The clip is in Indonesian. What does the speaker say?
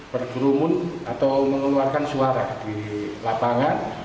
bergerumun atau mengeluarkan suara di lapangan